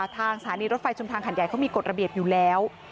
ทางสถานีรถไฟชุมทางขัดใหญ่เขามีกฎระเบียบอยู่แล้ว